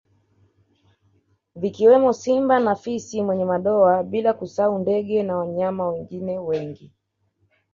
Vikiwemo simba na fisi mwenye madoa bila kusahau ndgee na wanyama wengine wengi